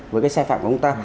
với cái sai phạm của ông ta